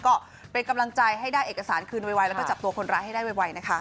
ก็เป็นกำลังใจให้ได้เอกสารคืนไวแล้วก็จับตัวคนร้ายให้ได้ไวนะคะ